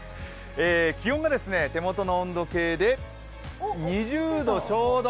気温が手元の温度計で２０度ちょうど。